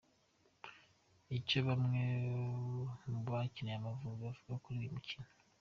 Icyo bamwe mu bakiniye Amavubi bavuga kuri uyu mukino.